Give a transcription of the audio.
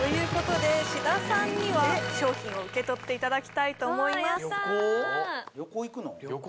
志田さんには賞品を受け取っていただきたいと思います旅行？